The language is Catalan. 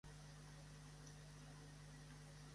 El braç esquerre sosté, un carcaix amb forma de pota de lleó.